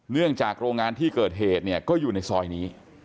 เนื่องจากโรงงานที่เกิดเหตุเนี่ยก็อยู่ในซอยนี้